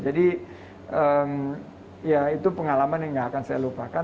jadi ya itu pengalaman yang gak akan saya lupakan